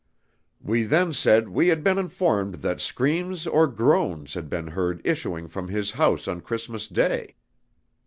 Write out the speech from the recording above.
"We then said we had been informed that screams or groans had been heard issuing from his house on Christmas Day.